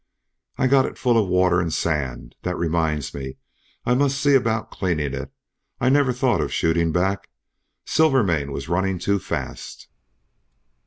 "I got it full of water and sand. That reminds me I must see about cleaning it. I never thought of shooting back. Silvermane was running too fast."